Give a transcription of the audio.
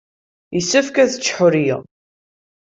Yessefk ad tečč Ḥuriya.